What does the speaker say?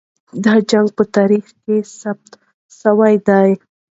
دا جنګ په تاریخ کې ثبت سوی دی.